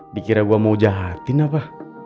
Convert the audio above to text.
dikira gue mau jahatin apa